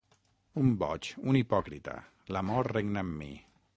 Un boig, un hipòcrita, l'amor regna en mi.